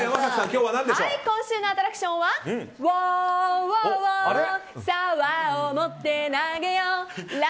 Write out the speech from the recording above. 今週のアトラクションはオオオさあ輪を持って投げよう！